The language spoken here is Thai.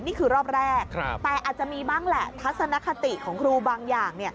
นี่คือรอบแรกแต่อาจจะมีบ้างแหละทัศนคติของครูบางอย่าง